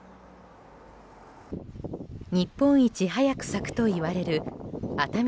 日本一早く咲くといわれるあたみ